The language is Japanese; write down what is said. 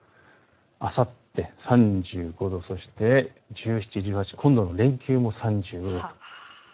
あさって３５度、１７、１８、今度の連休も３５度。